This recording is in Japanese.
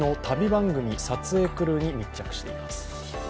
番組撮影クルーに密着しています。